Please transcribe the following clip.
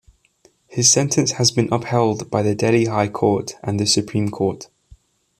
His sentence has been upheld by the Delhi High Court and the Supreme Court.